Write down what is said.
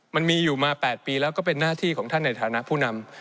มันมีอยู่มา๘ปีแล้วก็เป็นหน้าที่ของท่านในฐานะผู้นำ